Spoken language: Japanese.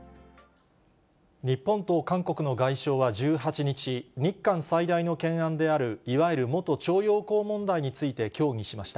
日本と韓国の外相は１８日、日韓最大の懸案であるいわゆる元徴用工問題について協議しました。